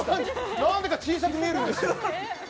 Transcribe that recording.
何だか小さく見えるんですよ。